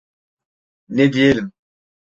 Ne diyelim…